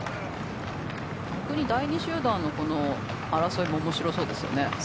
第２集団の争いも面白そうですよね。